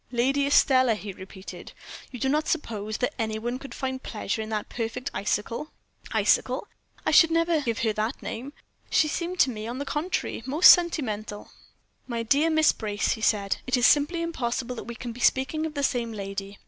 "Lady Estelle," he repeated. "You do not suppose that any one could find any pleasure in that perfect icicle." "Icicle! I should never give her that name. She seemed to me, on the contrary, almost sentimental." "My dear Miss Brace," he said, "it is simply impossible that we can be speaking of the same lady.